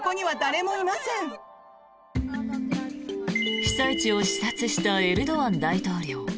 被災地を視察したエルドアン大統領。